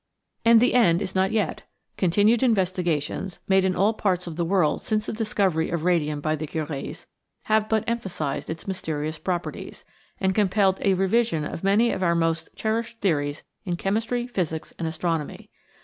And the end is not yet. Continued investigations, made in all parts of the world since the discovery of radium by the Curies, have but emphasized its mysterious properties, and compelled a revision of many of our most cherished theories in chemistry, physics and astronomy.